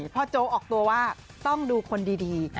โจ๊กออกตัวว่าต้องดูคนดี